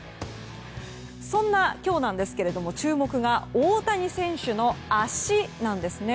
そんな今日ですが、注目が大谷選手の足なんですね。